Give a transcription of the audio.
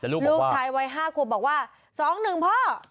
ลูกชายวัย๕ขวบบอกว่า๒๑พ่อ